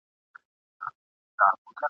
نن مي هغه زیارت په کاڼو ولم ..